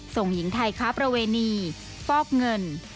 หญิงไทยค้าประเวณีฟอกเงิน